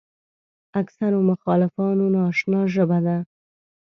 اکثرو مخالفانو ناآشنا ژبه ده.